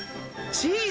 チーズ？